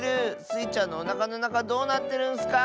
スイちゃんのおなかのなかどうなってるんスか！